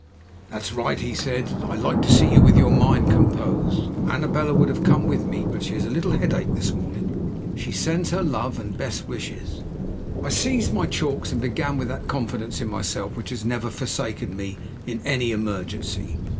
"That's right!" he said. "I like to see you with your mind composed. Annabella would have come with me; but she has a little headache this morning. She sends her love and best wishes." I seized my chalks and began with that confidence in myself which has never forsaken me in any emergency.